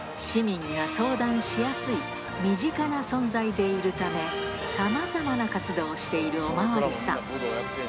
市民が相談しやすい、身近な存在でいるため、さまざまな活動をしているお巡りさん。